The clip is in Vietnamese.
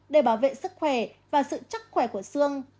để bảo vệ sức khỏe và sự chắc khỏe của xương